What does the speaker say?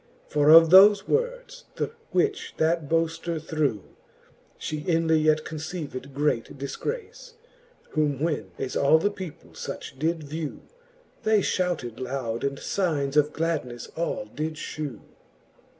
For of thofe words, the which that boafter threw, She inly yet conceived great dilgrace. Whom when as all the people fuch did vew. They fhouted loud, and fignes of gladnefle all did fhew.